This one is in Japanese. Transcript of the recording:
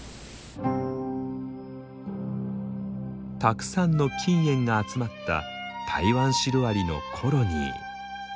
たくさんの菌園が集まったタイワンシロアリのコロニー。